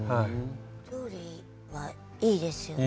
料理はいいですよね。